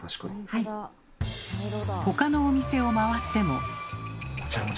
他のお店を回っても。